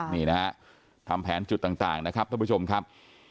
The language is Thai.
นี่นะฮะทำแผนจุดต่างนะครับท่านผู้ชมครับ